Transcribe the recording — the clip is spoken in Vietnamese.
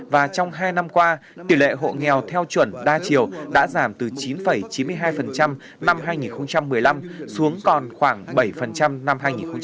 và trong hai năm qua tỷ lệ hộ nghèo theo chuẩn đa chiều đã giảm từ chín chín mươi hai năm hai nghìn một mươi năm xuống còn khoảng bảy năm hai nghìn một mươi bảy